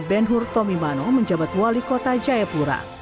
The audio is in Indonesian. ben hur tomimano menjabat wali kota jayapura